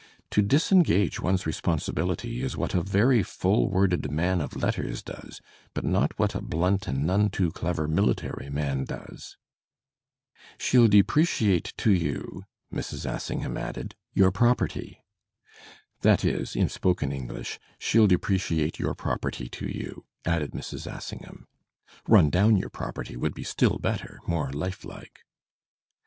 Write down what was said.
To disengage one's responsibility is what a very full worded man of letters does, but not what a blunt and none too clever military man does. "* She'll depreciate to you,* Mrs. Assiagham added 'yo^r property.'" That is, in spoken English, "* She'll depreciate your property to you,' added Mrs. Assingham." "Run down your property," would be still better, more life like.